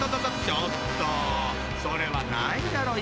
それはないだろ。